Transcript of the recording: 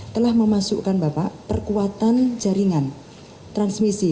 telah memasukkan bapak perkuatan jaringan transmisi